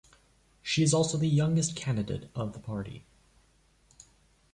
She is also the youngest candidate of the party.